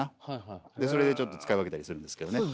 それでちょっと使い分けたりするんですけどね。